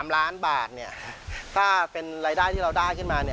๓ล้านบาทถ้าเป็นรายได้ที่เราได้ขึ้นมา